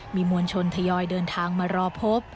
มีมวลชนทยอยเดินทางมารอพบ